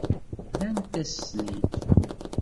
Rrant-as-ten-id.